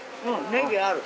ネギある。